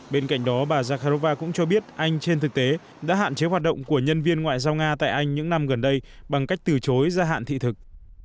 bên cạnh đó bà zakharova cũng cho biết anh trên thực tế đã hạn chế hoạt động của nhân viên ngoại giao nga tại anh những năm gần đây bằng cách từ chối gia hạn thị thực